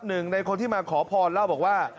๑ในคนที่มาขอพรแล้วบอกว่า